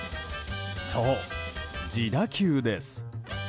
そう、自打球です。